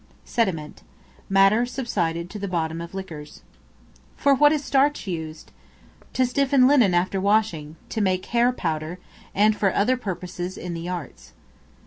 Sediment, matter subsided to the bottom of liquors. For what is Starch used? To stiffen linen after washing; to make hair powder; and for other purposes in the arts.